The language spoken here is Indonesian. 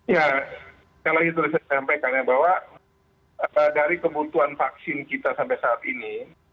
ya sekali lagi tadi saya sampaikan ya bahwa dari kebutuhan vaksin kita sampai saat ini